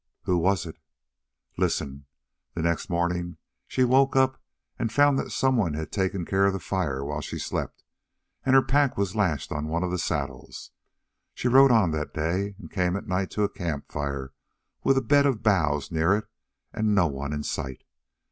"Who was it?" "Listen. The next morning she woke up and found that someone had taken care of the fire while she slept, and her pack was lashed on one of the saddles. She rode on that day and came at night to a camp fire with a bed of boughs near it and no one in sight.